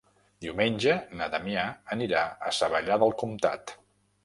Diumenge na Damià anirà a Savallà del Comtat.